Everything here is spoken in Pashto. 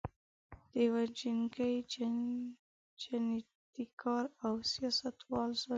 د یوه جنګي جنایتکار او سیاستوال ظلم.